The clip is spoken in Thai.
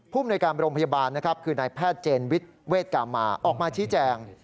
ผู้อำนวยการโรงพยาบาลคือในแพทย์เจนเวชกรรมออกมาชี้แจง